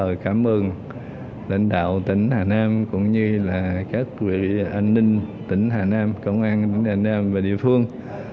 tôi rất là may mắn rất cảm ơn lãnh đạo tỉnh hà nam cũng như các quỹ an ninh tỉnh hà nam công an tỉnh hà nam và địa phương